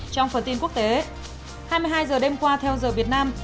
trong phần tin quốc tế hai mươi hai h đêm qua theo giờ việt nam